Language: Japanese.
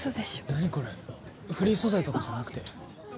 何これフリー素材とかじゃなくて？